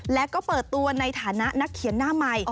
แล้วก็เปิดตัวในฐานะนักเขียนหน้าใหม่